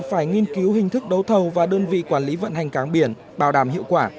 phải nghiên cứu hình thức đấu thầu và đơn vị quản lý vận hành cáng biển bảo đảm hiệu quả